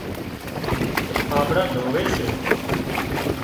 ٺانٻڙان ڌووي سي